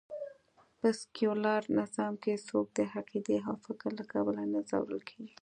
په سکیولر نظام کې څوک د عقېدې او فکر له کبله نه ځورول کېږي